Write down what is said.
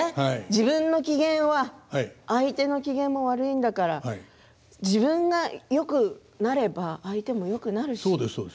自分の機嫌は相手の機嫌も悪いんだから自分がよくなればそうです